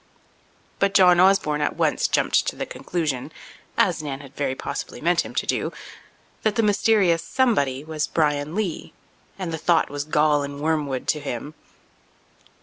But John Osborne at once jumped to the conclusion—as Nan had very possibly meant him to do—that the mysterious somebody was Bryan Lee, and the thought was gall and wormwood to him.